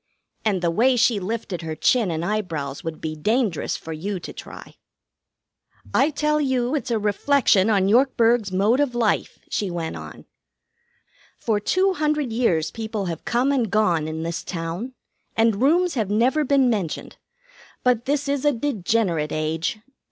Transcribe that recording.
And the way she lifted her chin and eyebrows would be dangerous for you to try. "'I tell you it's a reflection on Yorkburg's mode of life,' she went on. 'For two hundred years people have come and gone in this town, and rooms have never been mentioned. But this is a degenerate age.